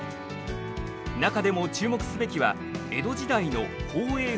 中でも注目すべきは江戸時代の宝永噴火。